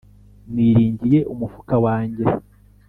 Niringiye umufuka wanjye !